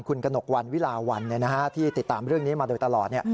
คุณกระหนกวันวิลาวันที่ติดตามเรื่องนี้มาโดยตลอด